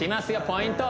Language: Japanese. ポイント